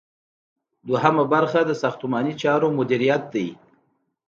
دوهم برخه د ساختماني چارو مدیریت دی.